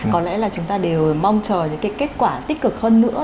có lẽ là chúng ta đều mong chờ những cái kết quả tích cực hơn nữa